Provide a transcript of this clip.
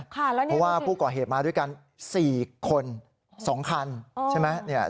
เพราะว่าผู้ก่อเหตุมาด้วยกัน๔คน๒คันใช่ไหม